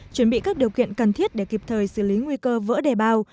chuẩn bị các điều kiện cần thiết để kịp thời xử lý nguy cơ vỡ đề bao